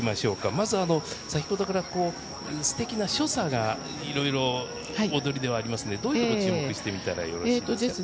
まず、先ほどからすてきな所作がいろいろ踊りではありますがどういうところを注目して見たらいいですか？